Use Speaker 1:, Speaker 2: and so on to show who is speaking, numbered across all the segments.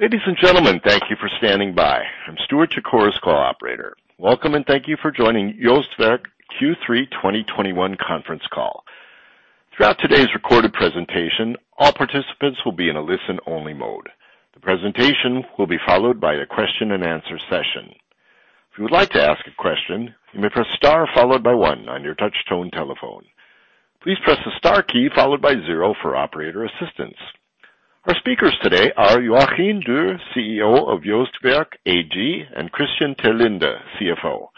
Speaker 1: Ladies and gentlemen, thank you for standing by. I'm Stuart Chircop, call operator. Welcome, and thank you for joining JOST Werke Q3 2021 conference call. Throughout today's recorded presentation, all participants will be in a listen-only mode. The presentation will be followed by a question-and-answer session. If you would like to ask a question, you may press star followed by one on your touch tone telephone. Please press the star key followed by zero for operator assistance. Our speakers today are Joachim Dürr, CEO of JOST Werke AG, and Christian Terlinde, CFO.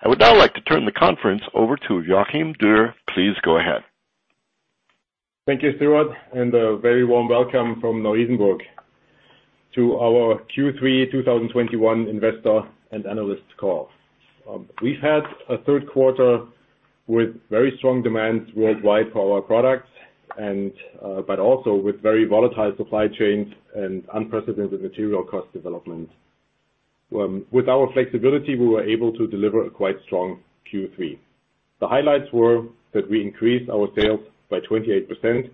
Speaker 1: I would now like to turn the conference over to Joachim Dürr. Please go ahead.
Speaker 2: Thank you, Stuart, and a very warm welcome from Neu-Isenburg to our Q3 2021 investor and analyst call. We've had a Q3 with very strong demand worldwide for our products and, but also with very volatile supply chains and unprecedented material cost development. With our flexibility, we were able to deliver a quite strong Q3. The highlights were that we increased our sales by 28%,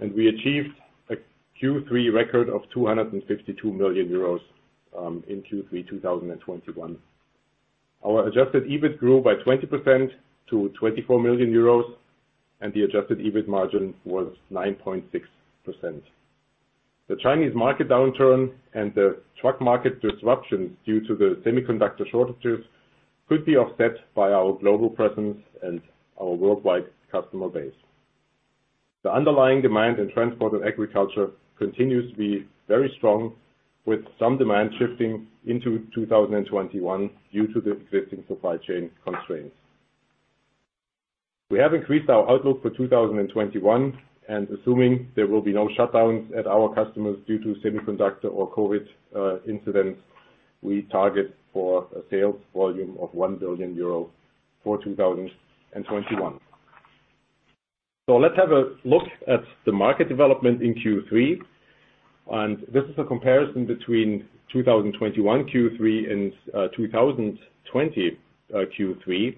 Speaker 2: and we achieved a Q3 record of 252 million euros in Q3, 2021. Our adjusted EBIT grew by 20% to 24 million euros, and the adjusted EBIT margin was 9.6%. The Chinese market downturn and the truck market disruptions due to the semiconductor shortages could be offset by our global presence and our worldwide customer base. The underlying demand in transport and agriculture continues to be very strong, with some demand shifting into 2021 due to the existing supply chain constraints. We have increased our outlook for 2021 and assuming there will be no shutdowns at our customers due to semiconductor or COVID incidents, we target for a sales volume of 1 billion euro for 2021. Let's have a look at the market development in Q3. This is a comparison between 2021 Q3 and 2020 Q3.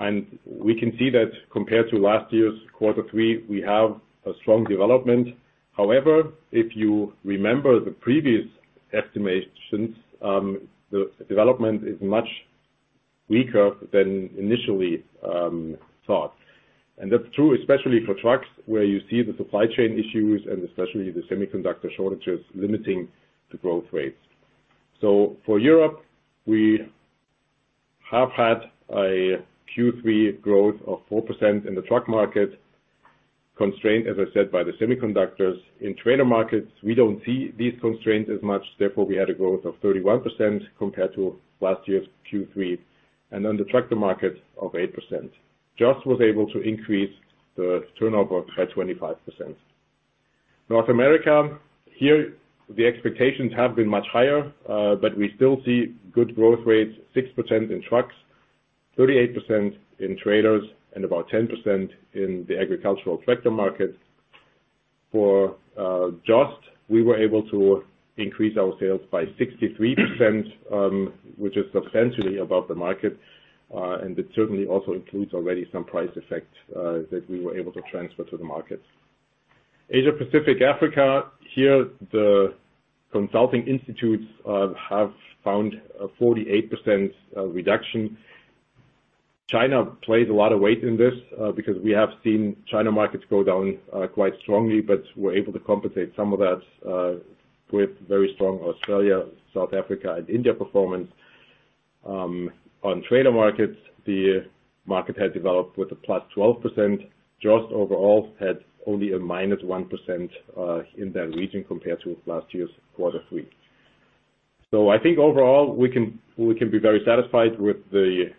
Speaker 2: We can see that compared to last year's Q3, we have a strong development. However, if you remember the previous estimations, the development is much weaker than initially thought. That's true, especially for trucks, where you see the supply chain issues and especially the semiconductor shortages limiting the growth rates. For Europe, we have had a Q3 growth of 4% in the truck market, constrained, as I said, by the semiconductors. In trailer markets, we don't see these constraints as much, therefore, we had a growth of 31% compared to last year's Q3. On the tractor market of 8%. JOST was able to increase the turnover by 25%. North America, here the expectations have been much higher, but we still see good growth rates, 6% in trucks, 38% in trailers, and about 10% in the agricultural tractor market. For JOST, we were able to increase our sales by 63%, which is substantially above the market, and it certainly also includes already some price effect that we were able to transfer to the market. Asia Pacific Africa, here the consulting institutes have found a 48% reduction. China weighs a lot in this, because we have seen China markets go down quite strongly, but we're able to compensate some of that with very strong Australia, South Africa, and India performance. On trailer markets, the market had developed with a +12%. JOST overall had only a -1% in that region compared to last year's Q3. I think overall, we can be very satisfied with the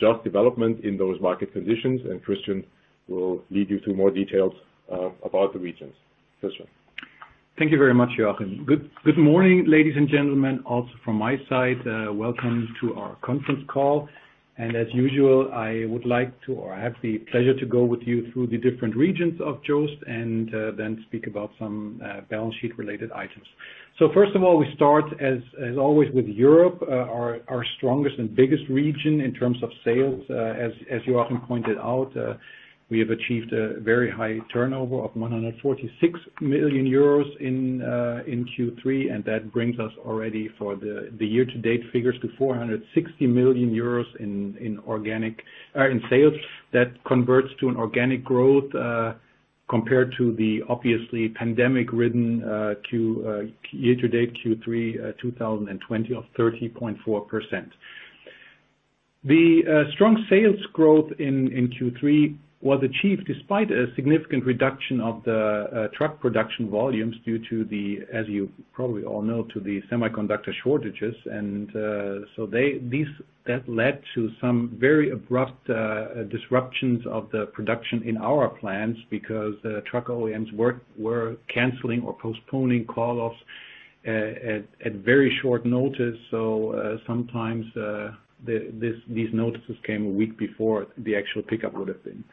Speaker 2: JOST development in those market conditions, and Christian will lead you through more details about the regions. Christian.
Speaker 3: Thank you very much, Joachim. Good morning, ladies and gentlemen. Also from my side, welcome to our conference call. As usual, I would like to, or I have the pleasure to go with you through the different regions of JOST and, then speak about some balance sheet related items. First of all, we start as always with Europe, our strongest and biggest region in terms of sales. As Joachim pointed out, we have achieved a very high turnover of 146 million euros in Q3, and that brings us already for the year-to-date figures to 460 million euros in organic or in sales. That converts to an organic growth compared to the obviously pandemic-ridden year-to-date Q3 2020 of 30.4%. The strong sales growth in Q3 was achieved despite a significant reduction of the truck production volumes due to, as you probably all know, the semiconductor shortages. That led to some very abrupt disruptions of the production in our plants because truck OEMs were canceling or postponing call-offs at very short notice. Sometimes these notices came a week before the actual pickup would have been.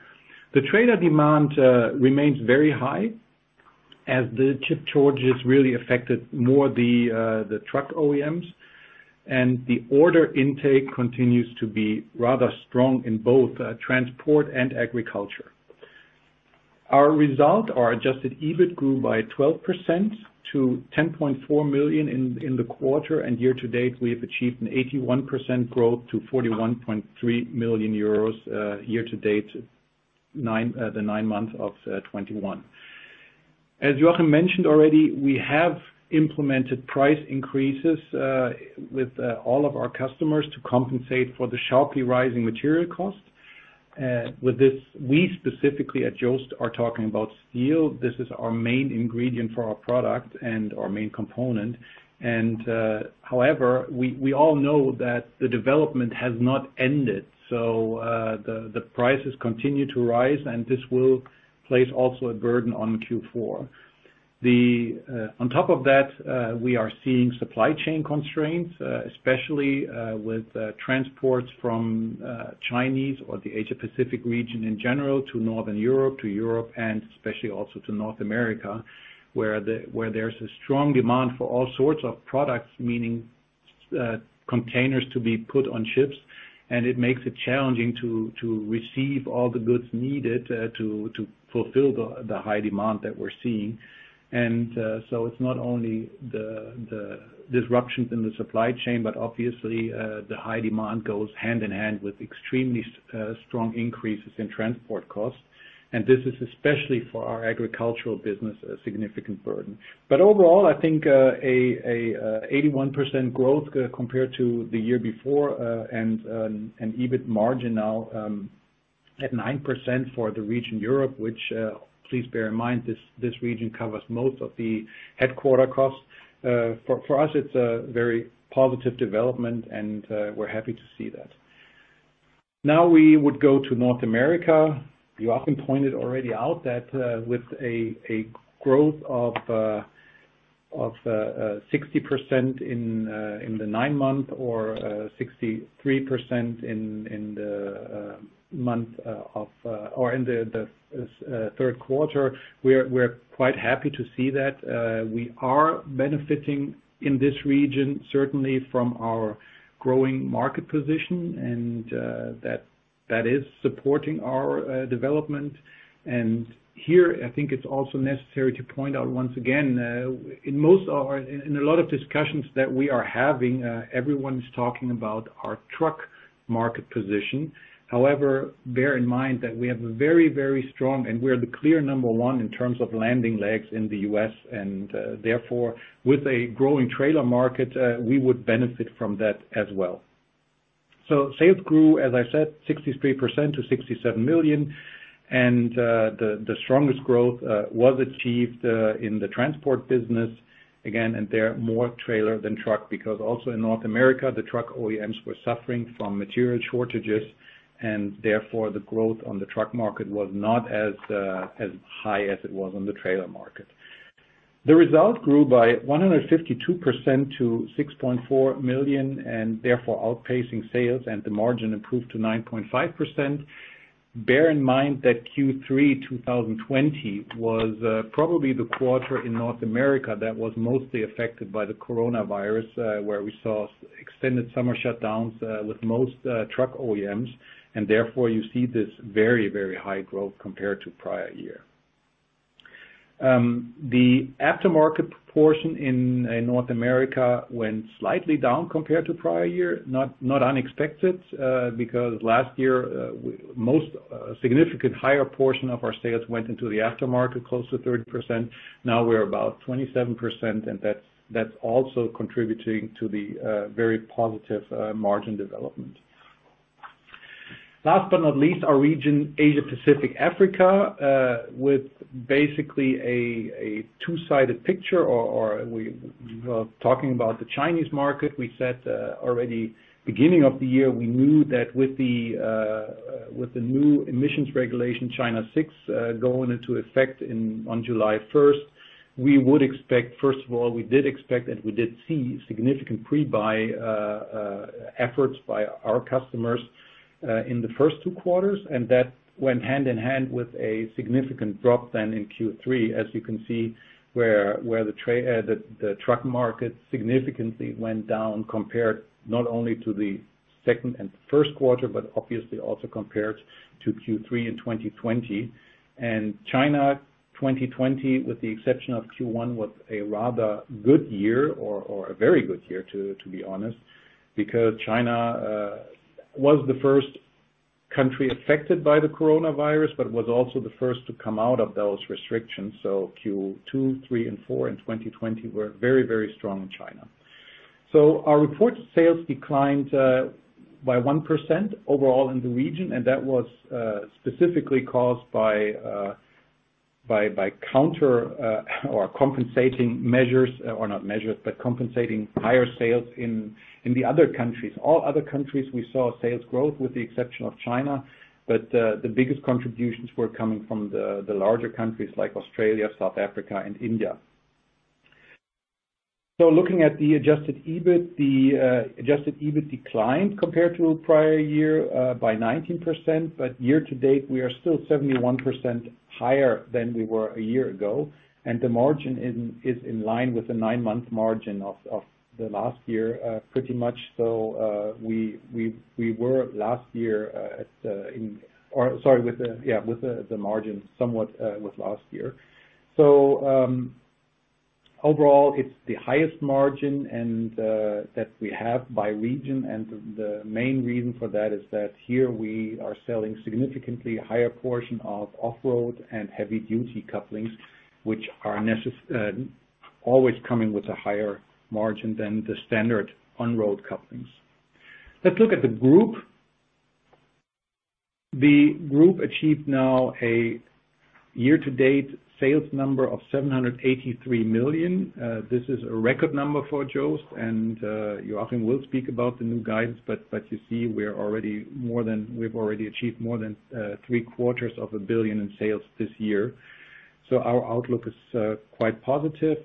Speaker 3: The trailer demand remains very high as the chip shortages really affected more the truck OEMs, and the order intake continues to be rather strong in both transport and agriculture. Our result, our adjusted EBIT grew by 12% to 10.4 million in the quarter, and year-to-date we have achieved an 81% growth to 41.3 million euros, the nine months of 2021. As Joachim mentioned already, we have implemented price increases with all of our customers to compensate for the sharply rising material costs. With this, we specifically at JOST are talking about steel. This is our main ingredient for our product and our main component. However, we all know that the development has not ended. The prices continue to rise, and this will place also a burden on Q4. On top of that, we are seeing supply chain constraints, especially with transports from China or the Asia Pacific region in general to Northern Europe, to Europe, and especially also to North America, where there's a strong demand for all sorts of products, meaning containers to be put on ships. It makes it challenging to receive all the goods needed to fulfill the high demand that we're seeing. It's not only the disruptions in the supply chain, but obviously the high demand goes hand-in-hand with extremely strong increases in transport costs. This is especially for our agricultural business, a significant burden. Overall, I think 81% growth compared to the year before, and an EBIT margin now at 9% for the region Europe, which please bear in mind, this region covers most of the headquarters costs. For us, it's a very positive development, and we're happy to see that. Now we would go to North America. Joachim pointed already out that with a growth of 60% in the nine months or 63% in the Q3, we're quite happy to see that. We are benefiting in this region certainly from our growing market position and that is supporting our development. Here, I think it's also necessary to point out once again, in a lot of discussions that we are having, everyone's talking about our truck market position. However, bear in mind that we have a very, very strong, and we're the clear number one in terms of landing gears in the U.S., and therefore, with a growing trailer market, we would benefit from that as well. Sales grew, as I said, 63% to 67 million. The strongest growth was achieved in the transport business, again, and there more trailer than truck, because also in North America, the truck OEMs were suffering from material shortages, and therefore, the growth on the truck market was not as high as it was on the trailer market. The result grew by 152% to 6.4 million, and therefore outpacing sales, and the margin improved to 9.5%. Bear in mind that Q3 2020 was probably the quarter in North America that was mostly affected by the coronavirus, where we saw extended summer shutdowns with most truck OEMs, and therefore, you see this very, very high growth compared to prior year. The aftermarket portion in North America went slightly down compared to prior year, not unexpected, because last year most significant higher portion of our sales went into the aftermarket, close to 30%. Now we're about 27%, and that's also contributing to the very positive margin development. Last but not least, our region, Asia Pacific Africa, with basically a two-sided picture. We were talking about the Chinese market. We said already beginning of the year, we knew that with the new emissions regulation, China VI, going into effect on July 1st, we would expect, first of all, we did expect and we did see significant pre-buy efforts by our customers in the first two quarters. That went hand-in-hand with a significant drop then in Q3, as you can see, where the truck market significantly went down compared not only to the Q2 and Q1, but obviously also compared to Q3 in 2020. China, 2020, with the exception of Q1, was a rather good year or a very good year, to be honest, because China was the first country affected by the coronavirus, but was also the first to come out of those restrictions. Q2, Q3 and Q4 in 2020 were very strong in China. Our reported sales declined by 1% overall in the region, and that was specifically caused by compensating higher sales in the other countries. All other countries we saw sales growth with the exception of China, but the biggest contributions were coming from the larger countries like Australia, South Africa and India. Looking at the adjusted EBIT, the adjusted EBIT declined compared to prior year by 19%. Year-to-date, we are still 71% higher than we were a year ago. The margin is in line with the nine-month margin of the last year, pretty much so, we were last year with the margin somewhat with last year. Overall, it's the highest margin that we have by region. The main reason for that is that here we are selling significantly higher portion of off-road and heavy-duty couplings, which are always coming with a higher margin than the standard on-road couplings. Let's look at the group. The group achieved now a year-to-date sales number of 783 million. This is a record number for JOST, and Joachim will speak about the new guidance. You see, we've already achieved more than three-quarters of a billion EUR in sales this year. Our outlook is quite positive.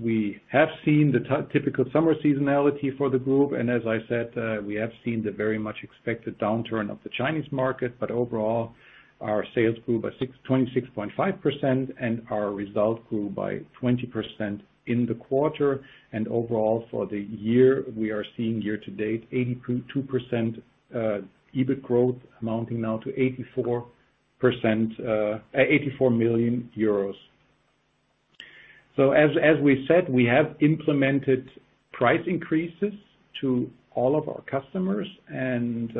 Speaker 3: We have seen the typical summer seasonality for the group. As I said, we have seen the very much expected downturn of the Chinese market. Overall, our sales grew by 26.5%, and our results grew by 20% in the quarter. Overall for the year, we are seeing year-to-date 82% EBIT growth amounting now to EUR 84 million. As we said, we have implemented price increases to all of our customers, and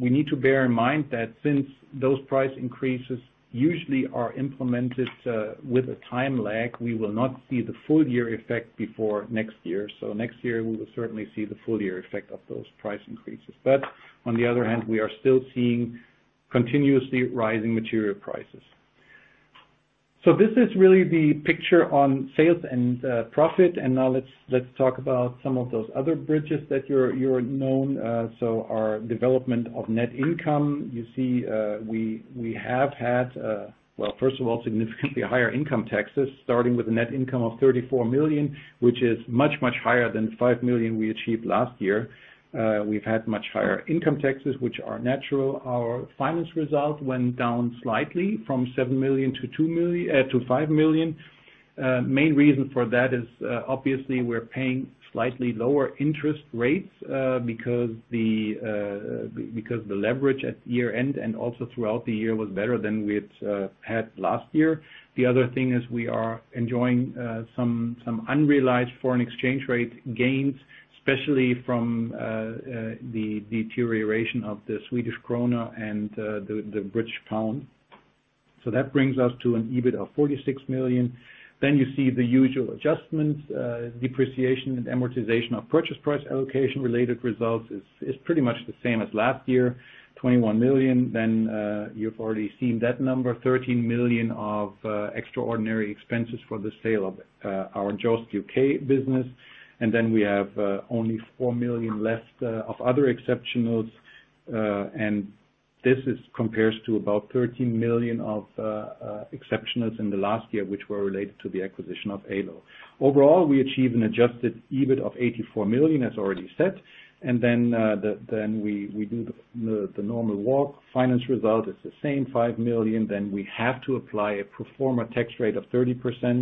Speaker 3: we need to bear in mind that since those price increases usually are implemented with a time lag, we will not see the full-year effect before next year. Next year, we will certainly see the full-year effect of those price increases. On the other hand, we are still seeing continuously rising material prices. This is really the picture on sales and profit. Now let's talk about some of those other bridges that you're known. Our development of net income, you see, we have had, well, first of all, significantly higher income taxes, starting with a net income of 34 million, which is much higher than 5 million we achieved last year. We've had much higher income taxes, which are natural. Our finance results went down slightly from 7 million to 5 million. Main reason for that is obviously we're paying slightly lower interest rates because the leverage at year-end and also throughout the year was better than we had last year. The other thing is we are enjoying some unrealized foreign exchange rate gains, especially from the deterioration of the Swedish krona and the British pound. That brings us to an EBIT of 46 million. You see the usual adjustments, depreciation and amortization of purchase price allocation related results is pretty much the same as last year, 21 million. You've already seen that number, 13 million of extraordinary expenses for the sale of our JOST U.K. business. We have only 4 million less of other exceptionals. This compares to about 13 million of exceptionals in the last year, which were related to the acquisition of Ålö. Overall, we achieved an adjusted EBIT of 84 million, as already said. We do the normal walk. Finance result is the same, 5 million. We have to apply a pro forma tax rate of 30%, with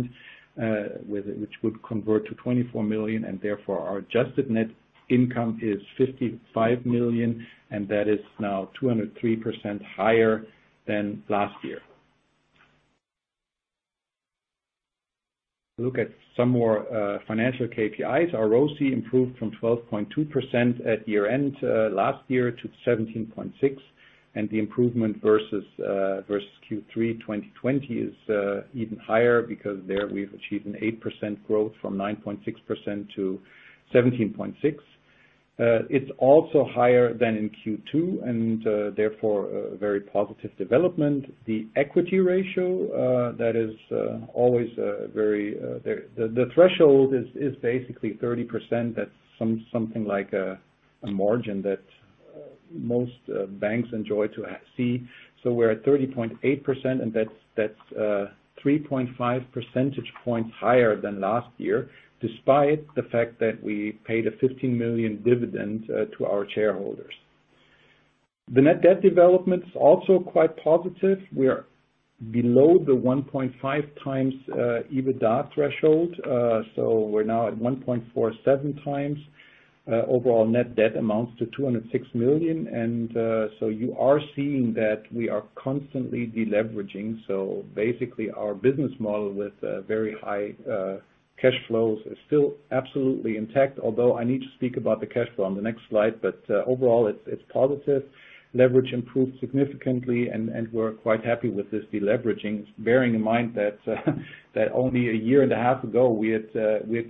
Speaker 3: it, which would convert to 24 million, and therefore our adjusted net income is 55 million, and that is now 203% higher than last year. Look at some more financial KPIs. Our ROCE improved from 12.2% at year-end last year to 17.6%. The improvement versus Q3 2020 is even higher because there we've achieved an 8% growth from 9.6% to 17.6%. It's also higher than in Q2 and therefore a very positive development. The equity ratio that is the threshold is basically 30%. That's something like a margin that most banks like to see. We're at 30.8%, and that's 3.5 percentage points higher than last year, despite the fact that we paid a 15 million dividend to our shareholders. The net debt development's also quite positive. We're below the 1.5x EBITDA threshold, so we're now at 1.47x. Overall net debt amounts to 206 million. You are seeing that we are constantly deleveraging. Basically, our business model with very high cash flows is still absolutely intact, although I need to speak about the cash flow on the next slide. Overall, it's positive. Leverage improved significantly, and we're quite happy with this deleveraging, bearing in mind that only a year and a half ago, we had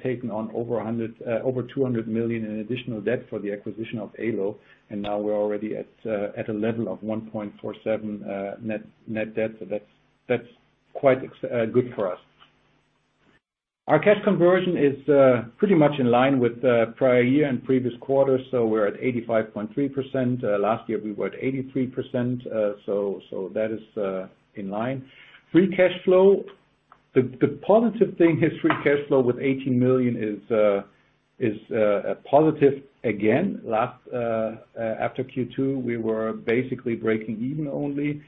Speaker 3: taken on over 200 million in additional debt for the acquisition of Ålö, and now we're already at a level of 1.47 net debt. That's quite good for us. Our cash conversion is pretty much in line with the prior year and previous quarters, so we're at 85.3%. Last year we were at 83%, that is in line. Free cash flow. The positive thing is free cash flow with 18 million is a positive again. After Q2, we were basically breaking even only.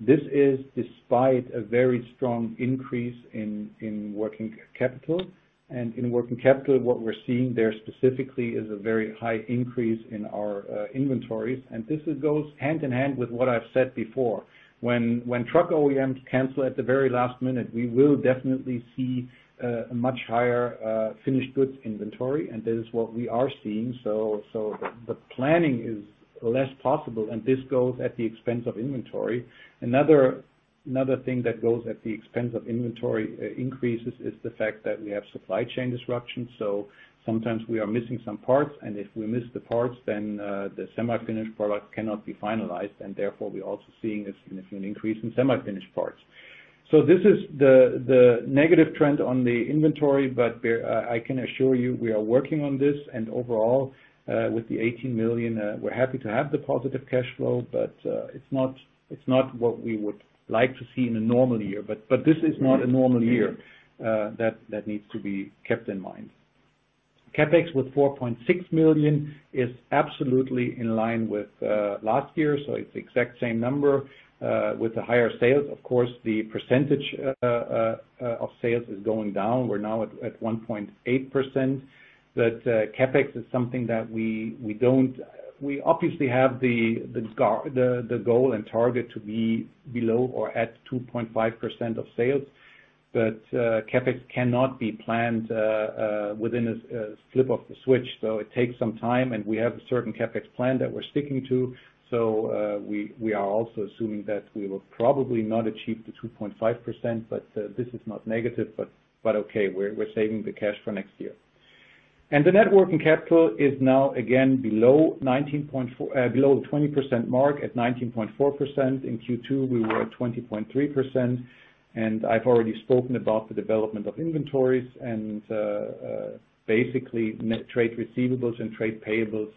Speaker 3: This is despite a very strong increase in working capital. In working capital, what we're seeing there specifically is a very high increase in our inventories. This goes hand in hand with what I've said before. When truck OEMs cancel at the very last minute, we will definitely see a much higher finished goods inventory, and this is what we are seeing. The planning is less possible, and this goes at the expense of inventory. Another thing that goes at the expense of inventory increases is the fact that we have supply chain disruptions. Sometimes we are missing some parts, and if we miss the parts, then the semi-finished product cannot be finalized, and therefore, we're also seeing a significant increase in semi-finished parts. This is the negative trend on the inventory. I can assure you we are working on this and overall with the 18 million we're happy to have the positive cash flow, but it's not what we would like to see in a normal year. This is not a normal year that needs to be kept in mind. CapEx with 4.6 million is absolutely in line with last year, it's the exact same number with the higher sales. Of course, the percentage of sales is going down. We're now at 1.8%. CapEx is something. We obviously have the goal and target to be below or at 2.5% of sales. CapEx cannot be planned within a flip of the switch, so it takes some time, and we have a certain CapEx plan that we're sticking to. We are also assuming that we will probably not achieve the 2.5%, but this is not negative, but okay, we're saving the cash for next year. The net working capital is now again below the 20% mark at 19.4%. In Q2, we were at 20.3%, and I've already spoken about the development of inventories, and basically net trade receivables and trade payables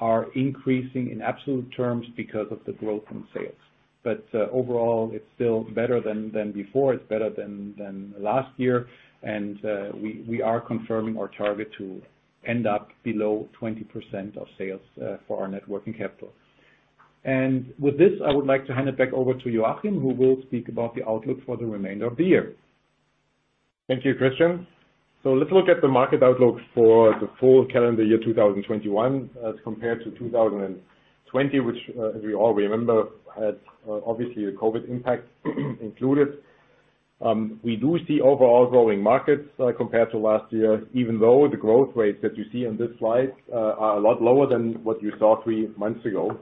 Speaker 3: are increasing in absolute terms because of the growth in sales. Overall, it's still better than before. It's better than last year. We are confirming our target to end up below 20% of sales for our net working capital. With this, I would like to hand it back over to Joachim, who will speak about the outlook for the remainder of the year.
Speaker 2: Thank you, Christian. Let's look at the market outlook for the full calendar year 2021 as compared to 2020, which, as we all remember, had obviously a COVID impact included. We do see overall growing markets compared to last year, even though the growth rates that you see on this slide are a lot lower than what you saw three months ago.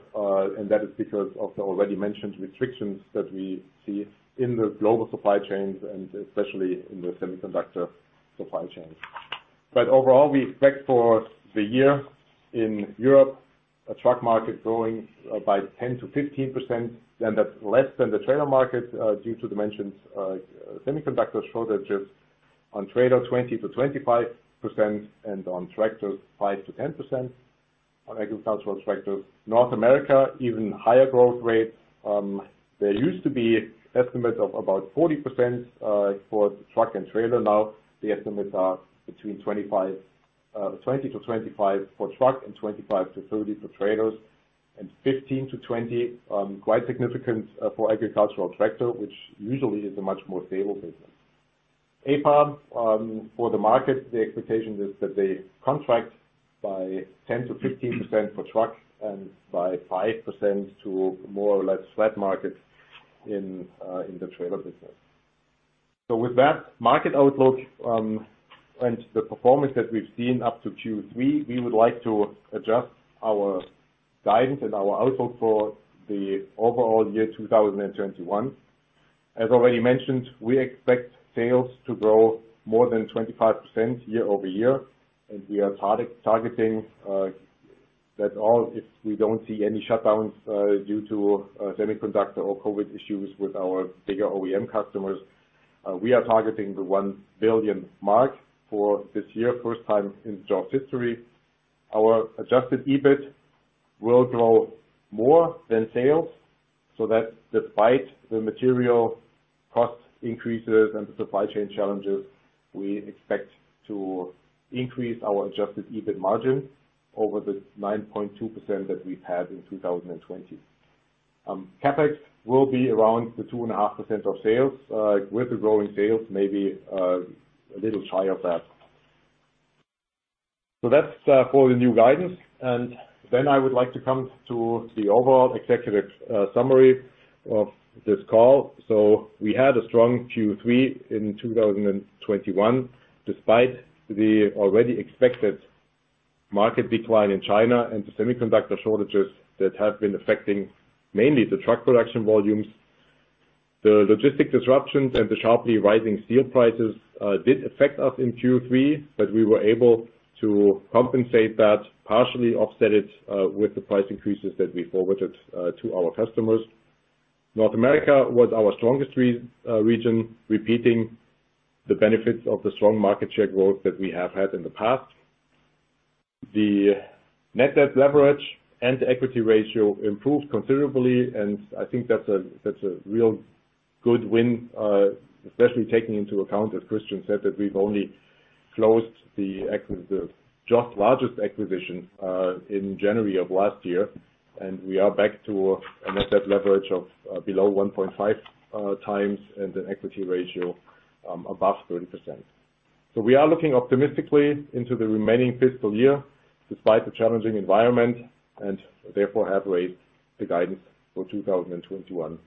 Speaker 2: That is because of the already mentioned restrictions that we see in the global supply chains and especially in the semiconductor supply chains. Overall, we expect for the year in Europe, a truck market growing by 10%-15%, and that's less than the trailer market due to the mentioned semiconductor shortages. On trailer, 20%-25%, and on tractors, 5%-10% on agricultural tractors. North America, even higher growth rate. There used to be estimates of about 40%, for truck and trailer. Now the estimates are between 20-25 for truck and 25-30 for trailers, and 15-20, quite significant, for agricultural tractor, which usually is a much more stable business. APA, for the market, the expectation is that they contract by 10%-15% for truck and by 5% to more or less flat market in the trailer business. With that market outlook, and the performance that we've seen up to Q3, we would like to adjust our guidance and our outlook for the overall year 2021. As already mentioned, we expect sales to grow more than 25% year-over-year, and if we don't see any shutdowns due to semiconductor or COVID issues with our bigger OEM customers, we are targeting the 1 billion mark for this year, first time in JOST history. Our adjusted EBIT will grow more than sales, so that despite the material cost increases and the supply chain challenges, we expect to increase our adjusted EBIT margin over the 9.2% that we've had in 2020. CapEx will be around the 2.5% of sales, with the growing sales, maybe a little shy of that. That's for the new guidance. I would like to come to the overall executive summary of this call. We had a strong Q3 in 2021, despite the already expected market decline in China and the semiconductor shortages that have been affecting mainly the truck production volumes. The logistics disruptions and the sharply rising steel prices did affect us in Q3, but we were able to compensate that, partially offset it, with the price increases that we forwarded to our customers. North America was our strongest region, repeating the benefits of the strong market share growth that we have had in the past. The net debt leverage and equity ratio improved considerably, and I think that's a real good win, especially taking into account, as Christian said, that we've only closed the JOST largest acquisition in January of last year, and we are back to a net debt leverage of below 1.5x and an equity ratio above 30%. We are looking optimistically into the remaining fiscal year despite the challenging environment and therefore have raised the guidance for 2021.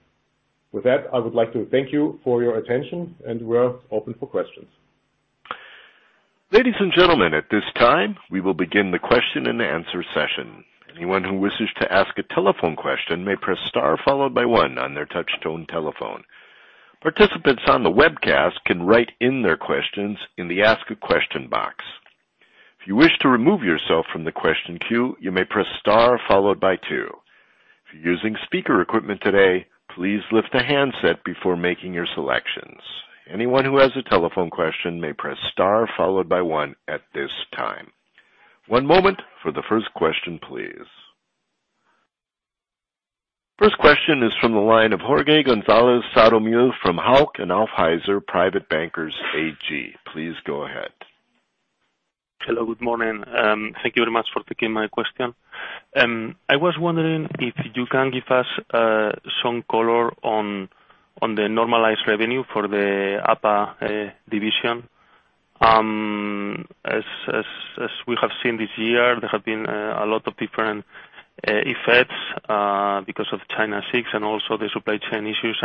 Speaker 2: With that, I would like to thank you for your attention, and we're open for questions.
Speaker 1: Ladies and gentlemen, at this time, we will begin the question and answer session. Anyone who wishes to ask a telephone question may press star followed by one on their touchtone telephone. Participants on the webcast can write in their questions in the Ask a Question box. If you wish to remove yourself from the question queue, you may press star followed by two. If you're using speaker equipment today, please lift the handset before making your selections. Anyone who has a telephone question may press star followed by one at this time. One moment for the first question, please. First question is from the line of Jorge Gonzalez Sadornil from Hauck & Aufhäuser Privatbankiers AG. Please go ahead.
Speaker 4: Hello, good morning. Thank you very much for taking my question. I was wondering if you can give us some color on the normalized revenue for the APA division. As we have seen this year, there have been a lot of different effects because of China VI and also the supply chain issues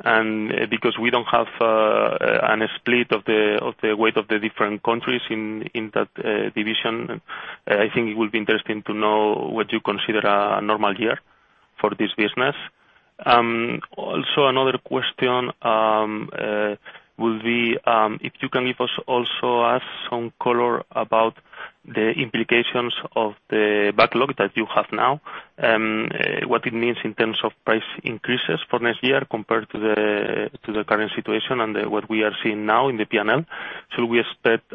Speaker 4: and because we don't have a split of the weight of the different countries in that division. I think it will be interesting to know what you consider a normal year for this business. Also another question will be if you can give us also some color about the implications of the backlog that you have now, what it means in terms of price increases for next year compared to the current situation and what we are seeing now in the P&L. Should we expect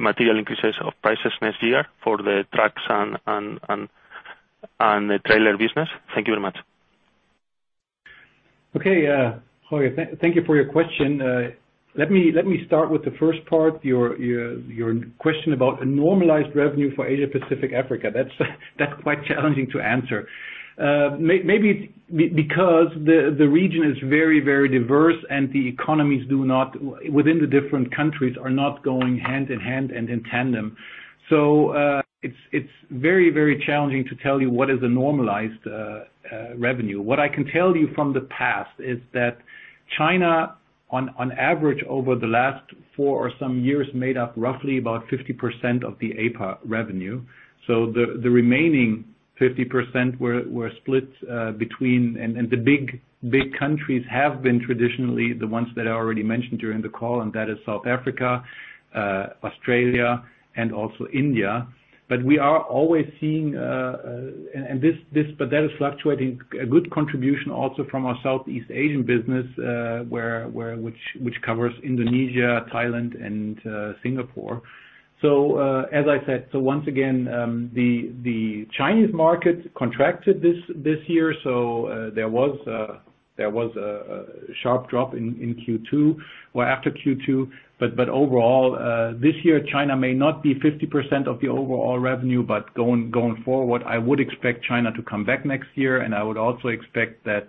Speaker 4: material increases of prices next year for the trucks and the trailer business? Thank you very much.
Speaker 3: Okay. Jorge, thank you for your question. Let me start with the first part, your question about a normalized revenue for Asia-Pacific Africa. That's quite challenging to answer. Maybe because the region is very diverse and the economies within the different countries are not going hand-in-hand and in tandem. It's very challenging to tell you what is a normalized revenue. What I can tell you from the past is that China, on average, over the last four or five years, made up roughly about 50% of the APA revenue. So the remaining 50% were split between. The big countries have been traditionally the ones that I already mentioned during the call, and that is South Africa, Australia, and also India. We are always seeing a good contribution also from our Southeast Asian business, which covers Indonesia, Thailand, and Singapore. As I said, once again, the Chinese market contracted this year. There was a sharp drop in Q2 or after Q2. Overall, this year, China may not be 50% of the overall revenue, but going forward, I would expect China to come back next year. I would also expect that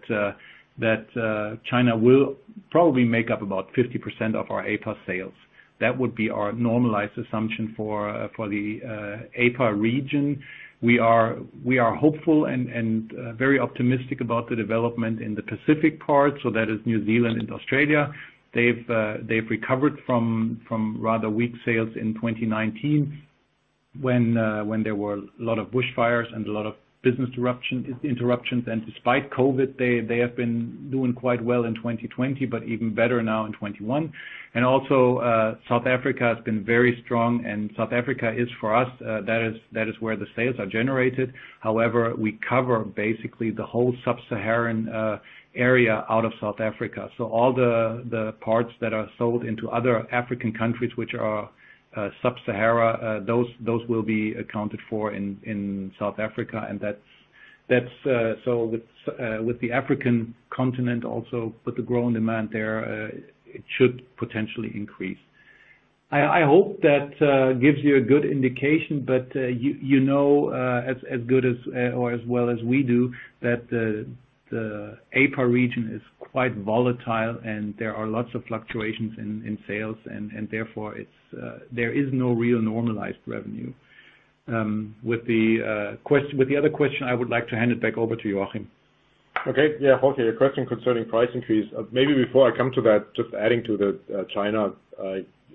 Speaker 3: China will probably make up about 50% of our APA sales. That would be our normalized assumption for the APA region. We are hopeful and very optimistic about the development in the Pacific part. That is New Zealand and Australia. They've recovered from rather weak sales in 2019 when there were a lot of bushfires and a lot of business interruptions. Despite COVID, they have been doing quite well in 2020, but even better now in 2021. Also, South Africa has been very strong. South Africa is for us, that is where the sales are generated. However, we cover basically the whole sub-Saharan area out of South Africa. All the parts that are sold into other African countries, which are sub-Saharan, those will be accounted for in South Africa. That's with the African continent also, with the growing demand there, it should potentially increase. I hope that gives you a good indication, but you know as good as, or as well as we do that the APA region is quite volatile and there are lots of fluctuations in sales and therefore there is no real normalized revenue. With the other question, I would like to hand it back over to you, Joachim.
Speaker 2: Jorge, your question concerning price increase. Maybe before I come to that, just adding to the China.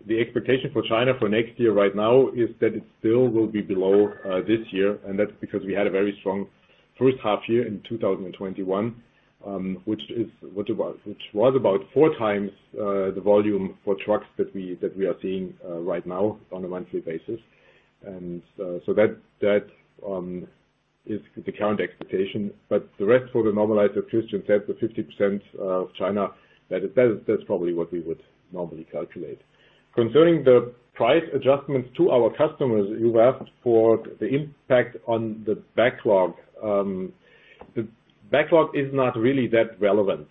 Speaker 2: The expectation for China for next year right now is that it still will be below this year. That's because we had a very strong first half year in 2021, which was about four times the volume for trucks that we are seeing right now on a monthly basis. That is the current expectation. For the normalized, as Christian said, the 50% of China, that is, that's probably what we would normally calculate. Concerning the price adjustments to our customers, you asked for the impact on the backlog. The backlog is not really that relevant,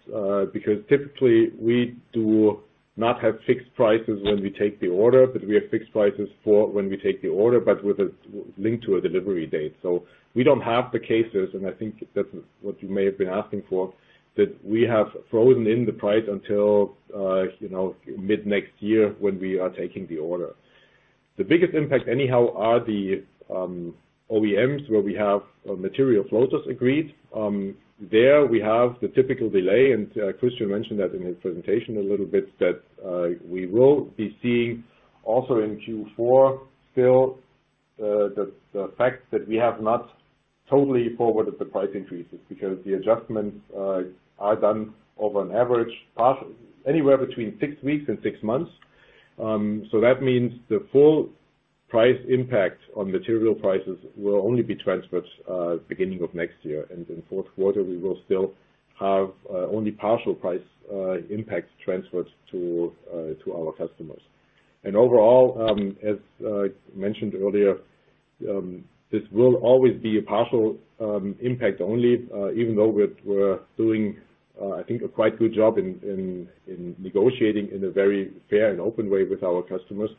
Speaker 2: because typically we do not have fixed prices when we take the order, but we have fixed prices for when we take the order, but with a linkage to a delivery date. So we don't have the cases, and I think that's what you may have been asking for, that we have frozen in the price until, you know, mid-next year when we are taking the order. The biggest impact anyhow are the OEMs where we have material escalators agreed. There we have the typical delay, and Christian mentioned that in his presentation a little bit, that we will be seeing also in Q4 still, the fact that we have not totally forwarded the price increases because the adjustments are done over an average period anywhere between six weeks and six months. That means the full price impact on material prices will only be transferred beginning of next year. In Q4 we will still have only partial price impact transfers to our customers. Overall, as I mentioned earlier, this will always be a partial impact only, even though we're doing I think a quite good job in negotiating in a very fair and open way with our customers.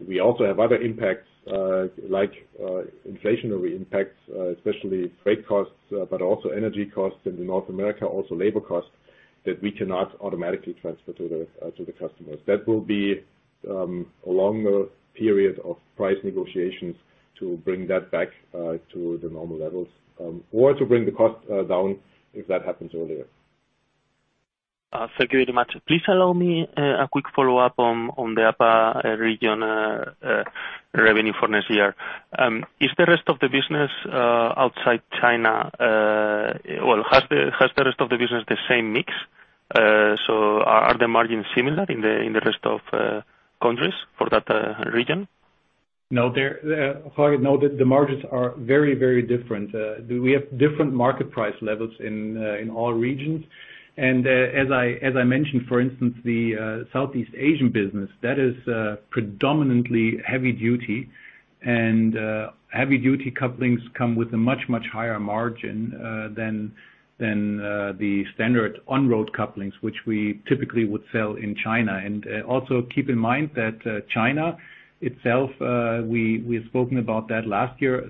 Speaker 2: We also have other impacts like inflationary impacts, especially freight costs, but also energy costs in North America, also labor costs that we cannot automatically transfer to the customers. That will be a longer period of price negotiations to bring that back to the normal levels, or to bring the cost down if that happens earlier.
Speaker 4: Thank you very much. Please allow me a quick follow-up on the APA region revenue for next year. Is the rest of the business outside China, well, has the rest of the business the same mix? So are the margins similar in the rest of countries for that region?
Speaker 3: No. They're no. The margins are very different. We have different market price levels in all regions. As I mentioned, for instance, the Southeast Asian business, that is predominantly heavy-duty and heavy-duty couplings come with a much higher margin than the standard on-road couplings, which we typically would sell in China. Also keep in mind that China itself, we had spoken about that last year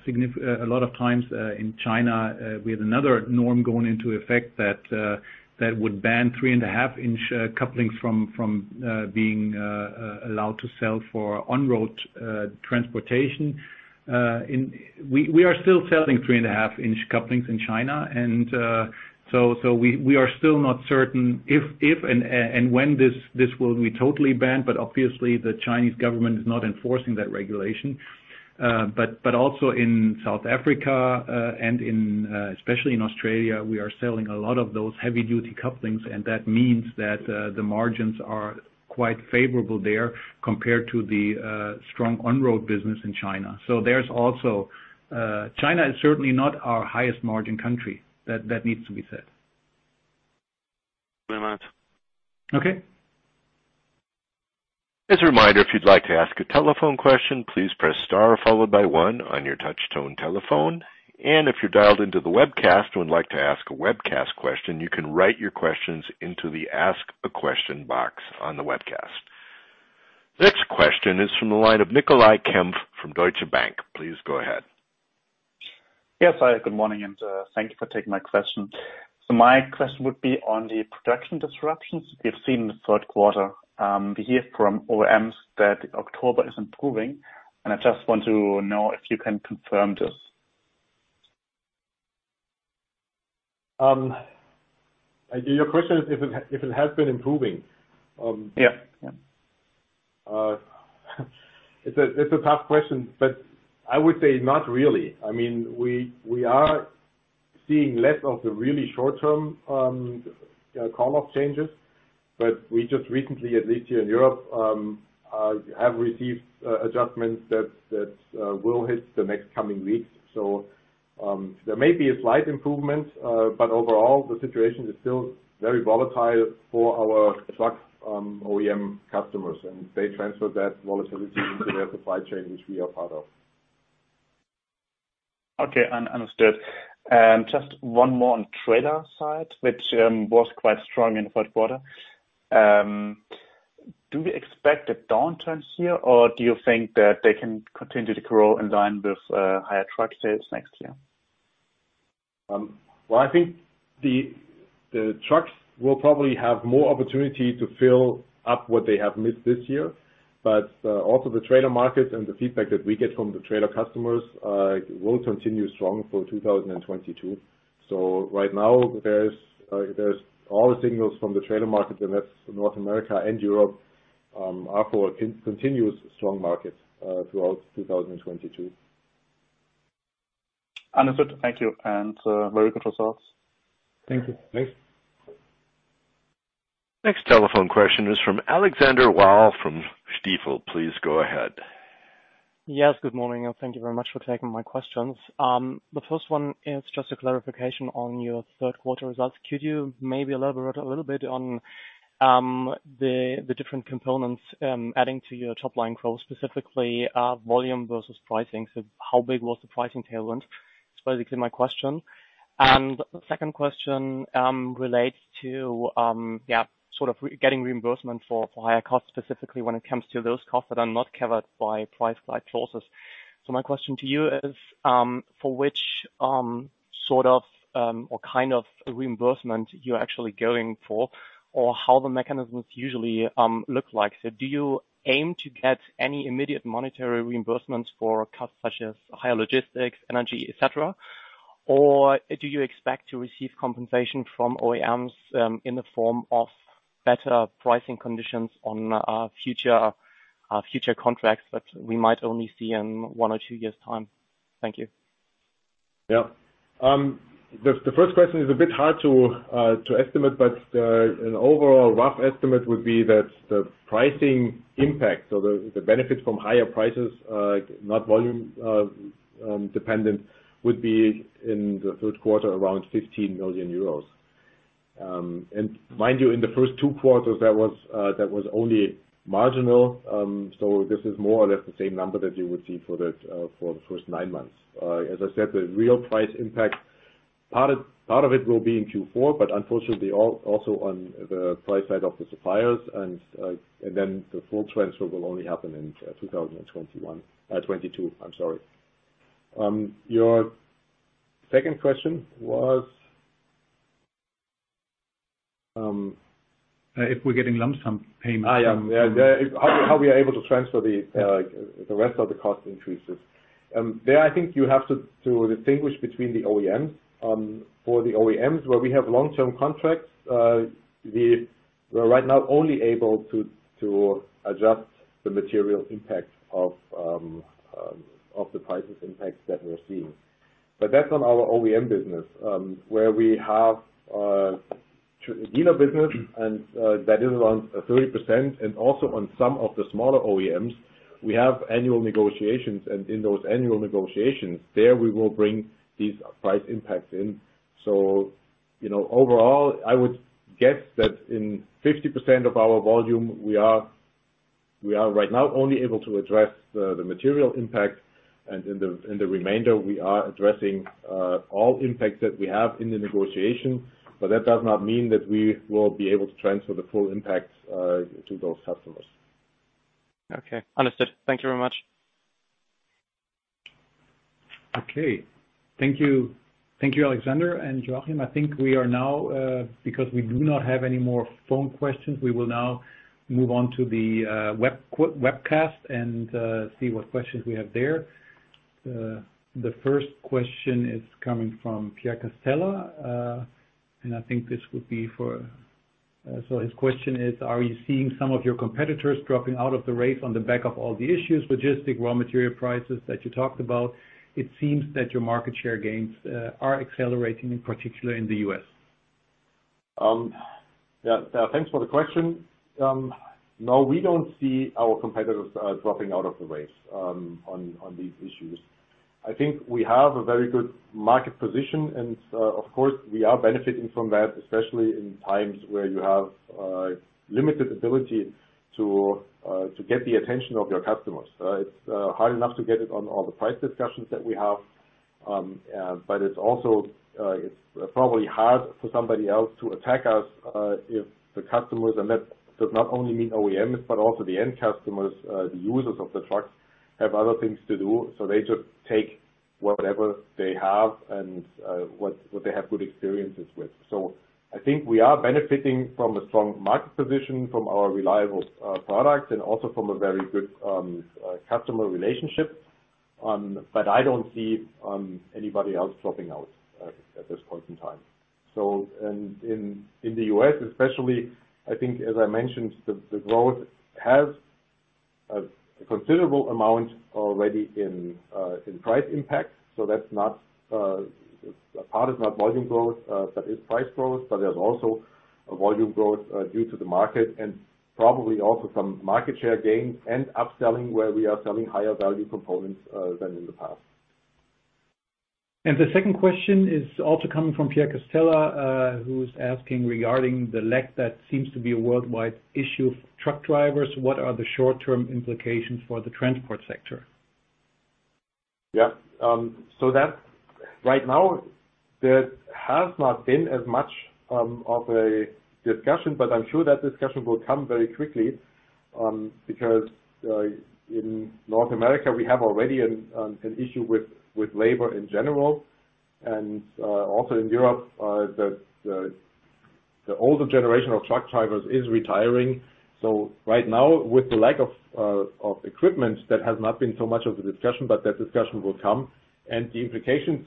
Speaker 3: a lot of times in China, we had another norm going into effect that would ban 3.5-inch couplings from being allowed to sell for on-road transportation. We are still selling 3.5-inch couplings in China. We are still not certain if and when this will be totally banned, but obviously the Chinese government is not enforcing that regulation. Also in South Africa and especially in Australia, we are selling a lot of those heavy-duty couplings, and that means that the margins are quite favorable there compared to the strong on-road business in China. There's also, China is certainly not our highest margin country. That needs to be said.
Speaker 4: Very much.
Speaker 3: Okay.
Speaker 1: As a reminder, if you'd like to ask a telephone question, please press star followed by one on your touch tone telephone. If you're dialed into the webcast and would like to ask a webcast question, you can write your questions into the ask a question box on the webcast. Next question is from the line of Nicolai Kempf from Deutsche Bank. Please go ahead.
Speaker 5: Yes. Hi, good morning, and thank you for taking my question. My question would be on the production disruptions we've seen in the Q3. We hear from OEMs that October is improving, and I just want to know if you can confirm this.
Speaker 2: Your question is if it has been improving?
Speaker 5: Yeah. Yeah.
Speaker 2: It's a tough question, but I would say not really. I mean, we are seeing less of the really short-term call off changes, but we just recently, at least here in Europe, have received adjustments that will hit the next coming weeks. There may be a slight improvement, but overall, the situation is still very volatile for our truck OEM customers, and they transfer that volatility into their supply chain, which we are part of.
Speaker 5: Okay. Understood. Just one more on trailer side, which was quite strong in the Q4. Do we expect a downturn here, or do you think that they can continue to grow in line with higher truck sales next year?
Speaker 2: Well, I think the trucks will probably have more opportunity to fill up what they have missed this year. Also the trailer market and the feedback that we get from the trailer customers will continue strong for 2022. Right now there's all the signals from the trailer market, and that's North America and Europe, are for continuous strong market throughout 2022.
Speaker 5: Understood. Thank you. Very good results.
Speaker 2: Thank you. Thanks.
Speaker 1: Next telephone question is from Alexander Wahl from Stifel. Please go ahead.
Speaker 6: Yes. Good morning, and thank you very much for taking my questions. The first one is just a clarification on your Q3 results. Could you maybe elaborate a little bit on the different components adding to your top line growth, specifically volume versus pricing? So how big was the pricing tailwind? Is basically my question. The second question relates to yeah, sort of re-getting reimbursement for higher costs, specifically when it comes to those costs that are not covered by price slide clauses. So my question to you is, for which sort of or kind of reimbursement you're actually going for, or how the mechanisms usually look like. So do you aim to get any immediate monetary reimbursements for costs such as higher logistics, energy, et cetera? Do you expect to receive compensation from OEMs, in the form of better pricing conditions on future contracts that we might only see in one or two years' time? Thank you.
Speaker 2: Yeah. The first question is a bit hard to estimate, but an overall rough estimate would be that the pricing impact or the benefit from higher prices, not volume dependent, would be in the Q3 around 15 million euros. Mind you, in the first two quarters, that was only marginal, so this is more or less the same number that you would see for the first nine months. As I said, the real price impact, part of it will be in Q4, but unfortunately, also on the price side of the suppliers and then the full transfer will only happen in 2021, 2022, I'm sorry. Your second question was?
Speaker 3: If we're getting lump sum payments from-
Speaker 2: How we are able to transfer the rest of the cost increases. I think you have to distinguish between the OEMs. For the OEMs, where we have long-term contracts, we are right now only able to adjust the material impact of the price impacts that we're seeing. That's on our OEM business, where we have dealer business and that is around 30%, and also on some of the smaller OEMs, we have annual negotiations, and in those annual negotiations, we will bring these price impacts in. You know, overall, I would guess that in 50% of our volume, we are right now only able to address the material impact, and in the remainder, we are addressing all impacts that we have in the negotiation. That does not mean that we will be able to transfer the full impact to those customers.
Speaker 6: Okay. Understood. Thank you very much.
Speaker 3: Okay. Thank you. Thank you, Alexander and Joachim. I think we are now, because we do not have any more phone questions, we will now move on to the webcast and see what questions we have there. The first question is coming from Pierre Castella, and I think this would be for. So his question is: Are you seeing some of your competitors dropping out of the race on the back of all the issues, logistic, raw material prices that you talked about? It seems that your market share gains are accelerating, in particular in the U.S.
Speaker 2: Yeah. Thanks for the question. No, we don't see our competitors dropping out of the race on these issues. I think we have a very good market position and, of course, we are benefiting from that, especially in times where you have limited ability to get the attention of your customers. It's hard enough to get it on all the price discussions that we have, but it's also probably hard for somebody else to attack us if the customers, and that does not only mean OEMs, but also the end customers, the users of the trucks, have other things to do, so they just take whatever they have and what they have good experiences with. I think we are benefiting from a strong market position from our reliable products and also from a very good customer relationship, but I don't see anybody else dropping out at this point in time. In the U.S. especially, I think, as I mentioned, the growth has a considerable amount already in price impact. A part is not volume growth, but is price growth, but there's also a volume growth due to the market and probably also some market share gains and upselling where we are selling higher value components than in the past.
Speaker 3: The second question is also coming from Pierre Castella, who's asking regarding the lack that seems to be a worldwide issue of truck drivers, what are the short-term implications for the transport sector?
Speaker 2: Yeah. That's, right now, there has not been as much of a discussion, but I'm sure that discussion will come very quickly, because in North America, we have already an issue with labor in general, and also in Europe, the older generation of truck drivers is retiring. Right now, with the lack of equipment, that has not been so much of a discussion, but that discussion will come. The implications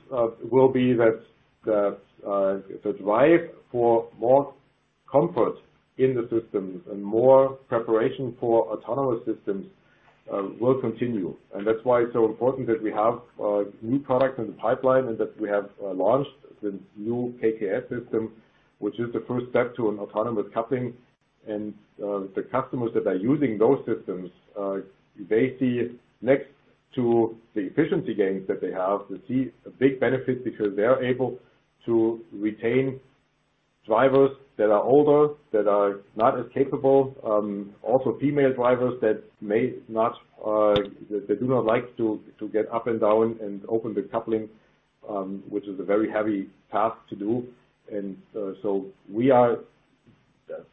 Speaker 2: will be that the drive for more comfort in the systems and more preparation for autonomous systems will continue. That's why it's so important that we have new products in the pipeline and that we have launched the new KKS system, which is the first step to an autonomous coupling. The customers that are using those systems, they see next to the efficiency gains that they have, they see a big benefit because they are able to retain drivers that are older, that are not as capable, also female drivers that may not, that do not like to get up and down and open the coupling, which is a very heavy task to do.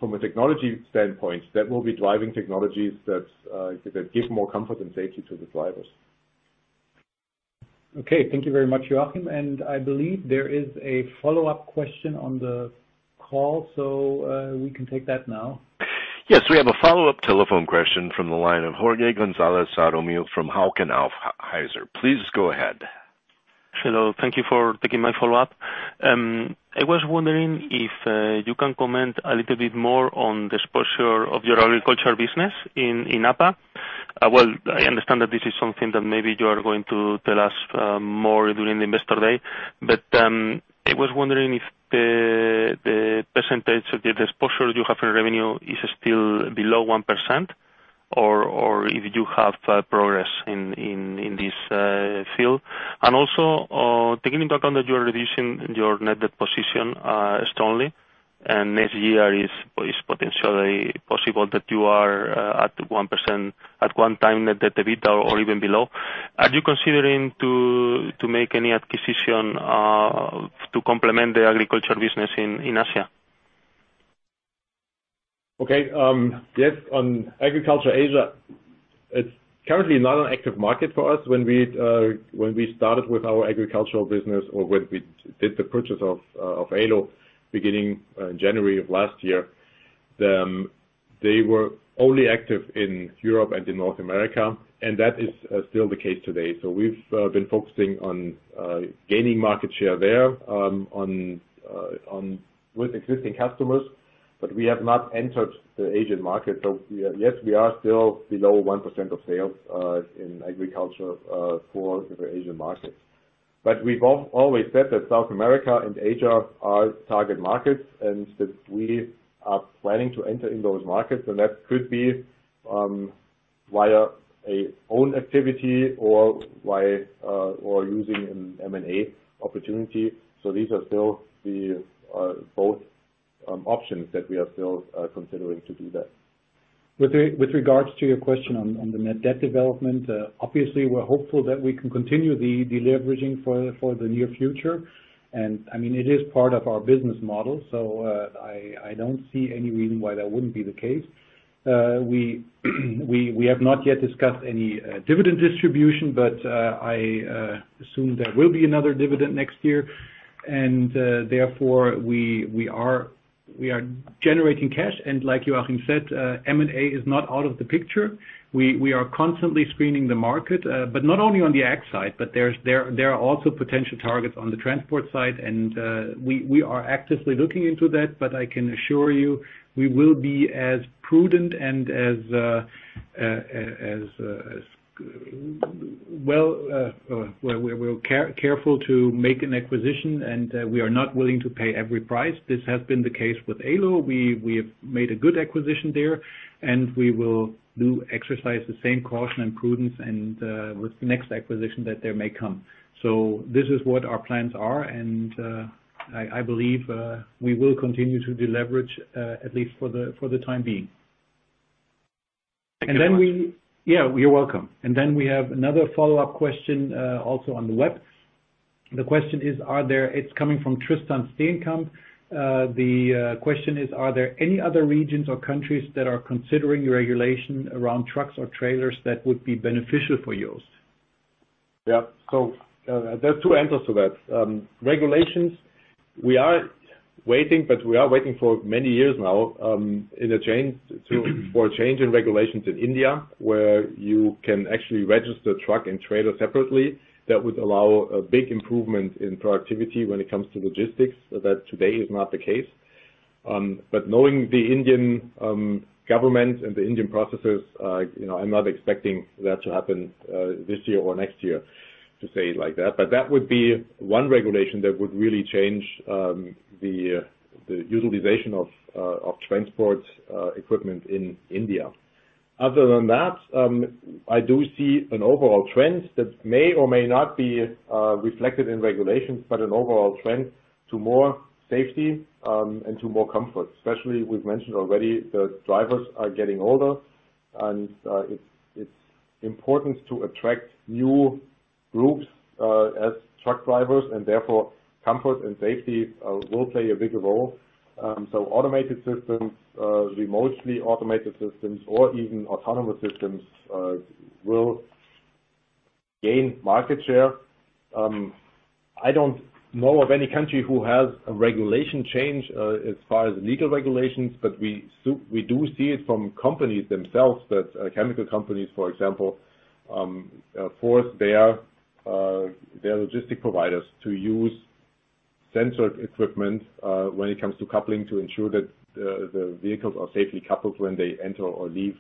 Speaker 2: From a technology standpoint, that will be driving technologies that give more comfort and safety to the drivers.
Speaker 3: Okay. Thank you very much, Joachim. I believe there is a follow-up question on the call, so we can take that now.
Speaker 1: Yes. We have a follow-up telephone question from the line of Jorge Gonzalez Sadornil from Hauck & Aufhäuser. Please go ahead.
Speaker 4: Hello. Thank you for taking my follow-up. I was wondering if you can comment a little bit more on the exposure of your agriculture business in APAC. Well, I understand that this is something that maybe you are going to tell us more during the investor day, but I was wondering if the percentage of the exposure you have for revenue is still below 1% or if you have progress in this field. Also, taking into account that you are reducing your net debt position strongly, and next year is potentially possible that you are at 1x net debt to EBITDA or even below. Are you considering to make any acquisition to complement the agriculture business in Asia?
Speaker 2: Okay. Yes, on agriculture Asia, it's currently not an active market for us. When we started with our agricultural business or when we did the purchase of Ålö beginning January of last year, they were only active in Europe and in North America, and that is still the case today. We've been focusing on gaining market share there with existing customers, but we have not entered the Asian market. Yes, we are still below 1% of sales in agriculture for the Asian market. We've always said that South America and Asia are target markets and that we are planning to enter in those markets, and that could be via our own activity or using an M&A opportunity. These are still the both options that we are still considering to do that.
Speaker 3: With regards to your question on the net debt development, obviously we're hopeful that we can continue the deleveraging for the near future. I mean, it is part of our business model, I don't see any reason why that wouldn't be the case. We have not yet discussed any dividend distribution, but I assume there will be another dividend next year. Therefore, we are generating cash, and like Joachim said, M&A is not out of the picture. We are constantly screening the market, but not only on the ag side, but there are also potential targets on the transport side and we are actively looking into that, but I can assure you, we will be as prudent and as careful to make an acquisition, and we are not willing to pay every price. This has been the case with Ålö. We have made a good acquisition there, and we will exercise the same caution and prudence with the next acquisition that may come. This is what our plans are, and I believe we will continue to deleverage at least for the time being.
Speaker 4: Thank you very much.
Speaker 3: Yeah, you're welcome. We have another follow-up question, also on the web. It's coming from Tristan Steenkamp. The question is, are there any other regions or countries that are considering regulation around trucks or trailers that would be beneficial for you?
Speaker 2: Yeah. There are two answers to that. Regulations, we are waiting for many years now, for a change in regulations in India, where you can actually register truck and trailer separately. That would allow a big improvement in productivity when it comes to logistics. That today is not the case. Knowing the Indian government and the Indian processes, you know, I'm not expecting that to happen, this year or next year, to say it like that. That would be one regulation that would really change the utilization of transport equipment in India. Other than that, I do see an overall trend that may or may not be reflected in regulations, but an overall trend to more safety and to more comfort, especially we've mentioned already the drivers are getting older and it's important to attract new groups as truck drivers and therefore comfort and safety will play a bigger role. Automated systems, remotely automated systems or even autonomous systems, will gain market share. I don't know of any country who has a regulation change, as far as legal regulations, but we do see it from companies themselves that chemical companies, for example, force their logistics providers to use sensor equipment, when it comes to coupling to ensure that the vehicles are safely coupled when they enter or leave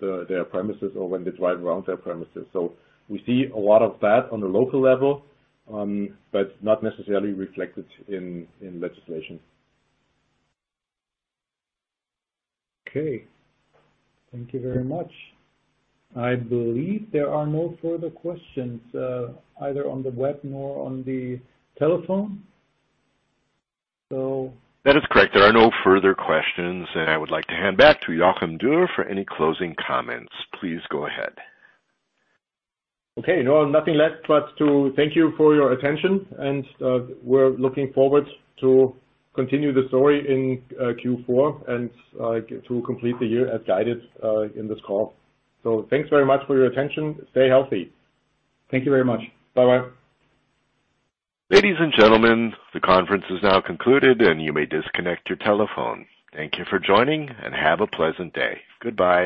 Speaker 2: their premises or when they drive around their premises. We see a lot of that on a local level, but not necessarily reflected in legislation.
Speaker 3: Okay. Thank you very much. I believe there are no further questions, either on the web nor on the telephone.
Speaker 1: That is correct. There are no further questions, and I would like to hand back to Joachim Dürr for any closing comments. Please go ahead.
Speaker 2: Okay. No, nothing left but to thank you for your attention and, we're looking forward to continue the story in Q4 and to complete the year as guided in this call. Thanks very much for your attention. Stay healthy.
Speaker 3: Thank you very much.
Speaker 2: Bye-bye.
Speaker 1: Ladies and gentlemen, the conference is now concluded and you may disconnect your telephone. Thank you for joining and have a pleasant day. Goodbye.